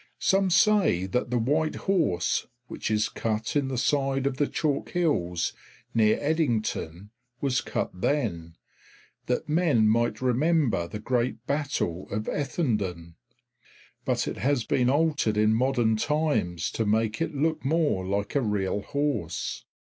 Some say that the white horse which is cut in the side of the chalk hills near Edington was cut then, that men might remember the great battle of Ethandun. But it has been altered in modern times to make it look more like a real horse.